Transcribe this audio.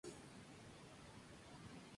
Él es un típico adolescente de pueblo pequeño.